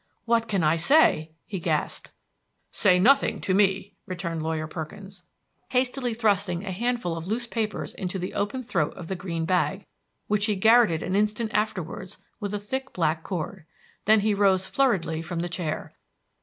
"What can I say?" he gasped. "Say nothing to me," returned Lawyer Perkins, hastily thrusting a handful of loose papers into the open throat of the green bag, which he garroted an instant afterwards with a thick black cord. Then he rose flurriedly from the chair.